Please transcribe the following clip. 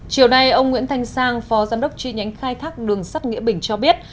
chiều nay ông nguyễn thanh sang phó giám đốc tri nhánh khai thác đường sắt nghĩa bình cho biết